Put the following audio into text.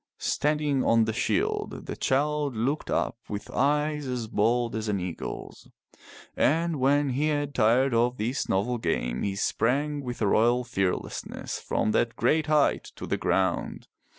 Standing on the shield, the child looked up with eyes as bold as an eagle's, and when he had tired of this novel game, he sprang with a royal fearlessness from that great height to the ground.